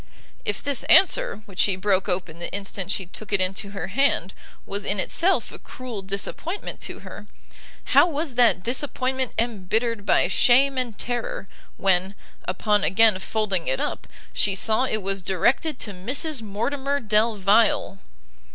If this answer, which she broke open the instant she took it into her hand, was in itself a cruel disappointment to her, how was that disappointment embittered by shame and terror, when, upon again folding it up, she saw it was directed to Mrs Mortimer Delvile!